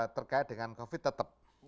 terkait dengan covid tetap